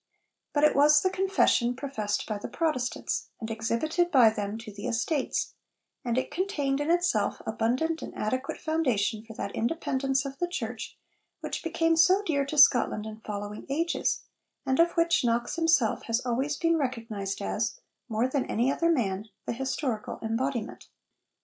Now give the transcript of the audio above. But it was the confession 'professed by the Protestants,' and exhibited by them 'to the estates;' and it contained in itself abundant and adequate foundation for that independence of the Church which became so dear to Scotland in following ages, and of which Knox himself has always been recognised as, more than any other man, the historical embodiment.